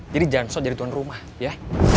jadi jansot jadi tuan rumah ya